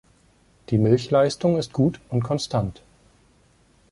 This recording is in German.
Die Milchleistung ist gut und konstant.